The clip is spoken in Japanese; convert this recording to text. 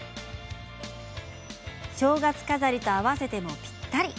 正月飾りと合わせてもぴったり。